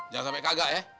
jangan sampe kagak ya